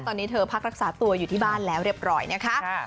ตอนนี้เธอพักรักษาตัวอยู่ที่บ้านแล้วเรียบร้อยนะคะ